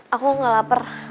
aku gak lapar